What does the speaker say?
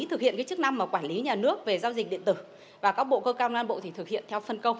thực hiện chức năng quản lý nhà nước về giao dịch điện tử và các bộ cơ quan ngang bộ thì thực hiện theo phân công